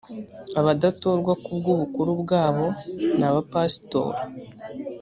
abadatorwa ku bw’ubukuru bwabo ni abapasitori